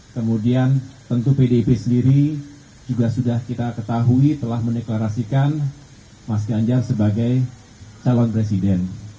kemudian tentu pdip sendiri juga sudah kita ketahui telah mendeklarasikan mas ganjar sebagai calon presiden